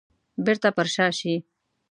بيرته پر شا شي.